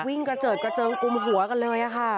วิ่งกระเจิดกระเจิงกุมหัวกันเลยค่ะ